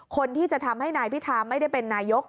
คนที่จะทำให้นายพิธาไม่ได้เป็นนายก